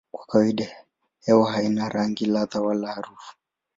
Kwa kawaida hewa haina rangi, ladha wala harufu.